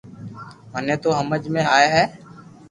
مني تو ھمج ۾ آئي ھي